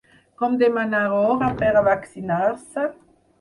Com demanar hora per a vaccinar-se?